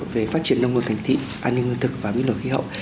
về phát triển nông nguồn thành thị an ninh ngân thực và biến đổi khí hậu